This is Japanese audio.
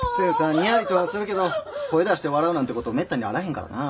ニヤリとはするけど声出して笑うなんてことめったにあらへんからなあ。